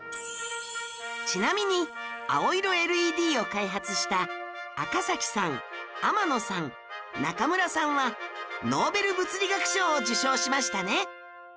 ちなみに青色 ＬＥＤ を開発した赤さん天野さん中村さんはノーベル物理学賞を受賞しましたね